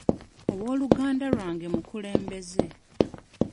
Ow'oluganda lwange mukulembeze.